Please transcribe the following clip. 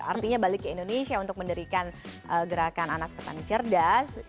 artinya balik ke indonesia untuk mendirikan gerakan anak petani cerdas